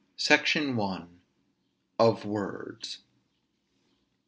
SECTION I. OF WORDS.